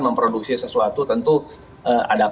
memproduksi sesuatu tentu ada